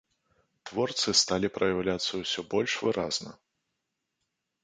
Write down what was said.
Творцы сталі праяўляцца ўсё больш выразна.